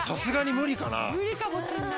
無理かもしれない。